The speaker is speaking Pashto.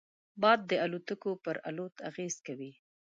باد د الوتکو پر الوت اغېز کوي